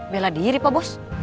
bela diri pak bos